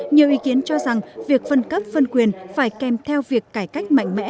nhiều ý kiến cho rằng việc phân cấp phân quyền phải kèm theo việc cải cách mạnh mẽ